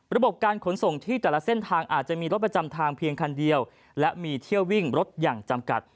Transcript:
ระบบการขนส่งที่แต่ละเส้นทางอาจจะมีรถประจำทางเพียงคันเดียวและมีเที่ยววิ่งรถอย่างจำกัด